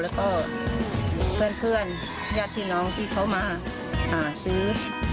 แล้วก็เพื่อนญาติพี่น้องที่เขามาหาซื้อ